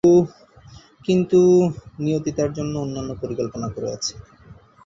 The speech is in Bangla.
কিন্তু নিয়তি তাঁর জন্য অন্যান্য পরিকল্পনা করে আছে।